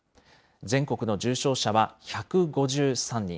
全国の重症者は１５３人。